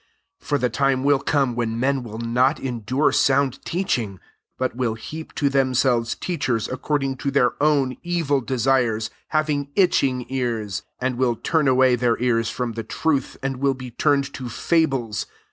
3 For the time will come when men will not endure sound teaching; but will heap to themselves teachers according to their own evil desires, having itching ears; 4 and will turn away their ears from the truth, and will be turn ed to fables.